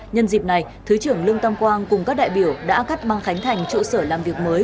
nhân dịp này thứ trưởng lương tam quang cùng các đại biểu đã cắt băng khánh thành trụ sở làm việc mới